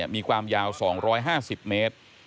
มีความยาว๒๕๐เมตร